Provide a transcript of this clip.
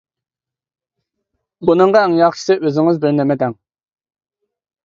بۇنىڭغا ئەڭ ياخشىسى ئۆزىڭىز بىر نېمەڭ دەڭ.